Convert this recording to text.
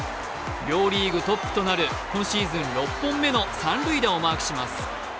両リーグトップとなる今シーズン６本目の三塁打をマークします。